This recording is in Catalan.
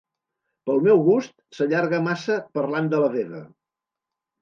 Pel meu gust, s'allarga massa parlant de la Veva.